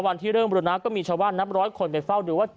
วันที่เริ่มบริณะก็มีชาวบ้านนับร้อยคนไปเฝ้าดูว่า